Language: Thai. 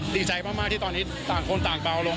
ดีใจมากที่ตอนนี้ต่างคนต่างเบาลง